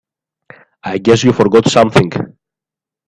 I guess you forgot something.